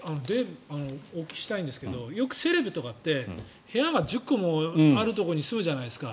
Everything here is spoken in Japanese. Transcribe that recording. お聞きしたいんですけどよくセレブとかって部屋が１０個もあるところに住むじゃないですか。